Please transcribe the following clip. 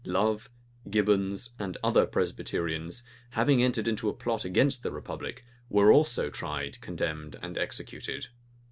Love, Gibbons, and other Presbyterians, having entered into a plot against the republic, were also tried, condemned, and executed.